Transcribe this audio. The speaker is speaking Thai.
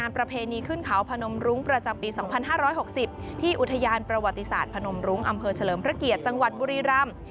ประจำปี๒๕๖๐ที่อุทยานประวัติศาสตร์พนมรุงอำเภอเฉลิมพระเกียรติจังหวัดบุรีรำ